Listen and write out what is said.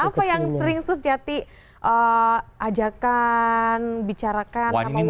nah apa yang sering susiati ajarkan bicarakan sama wine